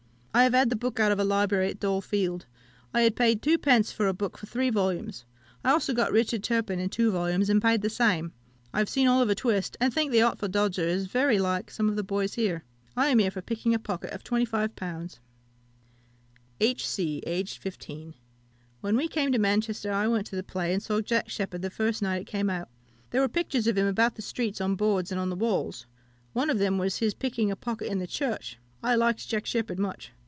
I have had the book out of a library at Dole Field. I had paid two pence a book for three volumes. I also got Richard Turpin, in two volumes, and paid the same. I have seen Oliver Twist, and think the Artful Dodger is very like some of the boys here. I am here for picking a pocket of 25l. "H. C. (aged 15). When we came to Manchester, I went to the play, and saw Jack Sheppard the first night it came out. There were pictures of him about the streets on boards and on the walls; one of them was his picking a pocket in the church. I liked Jack Sheppard much.